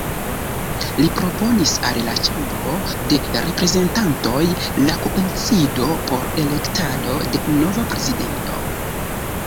Li proponis al la Ĉambro de Reprezentantoj la kunsidon por elektado de nova prezidanto.